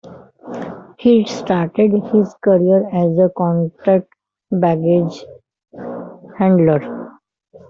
He started his career as a Qantas baggage handler.